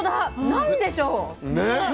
何でしょう？